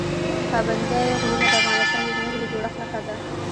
پابندی غرونه د افغانستان د ځمکې د جوړښت نښه ده.